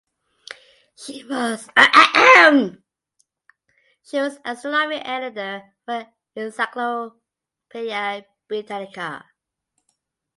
She was astronomy editor for "Encyclopedia Britannica".